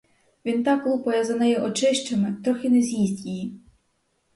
Він так лупає за нею очищами, трохи не з'їсть її.